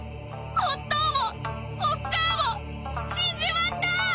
おっとうもおっかあも死んじまった！